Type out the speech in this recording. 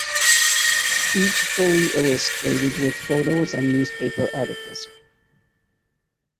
Each fully illustrated with photos and newspaper articles.